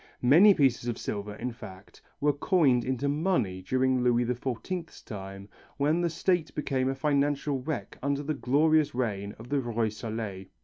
Many fine pieces of silver, in fact, were coined into money during Louis XIV's time, when the State became a financial wreck under the glorious reign of the Roi Soleil.